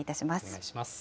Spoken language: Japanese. お願いします。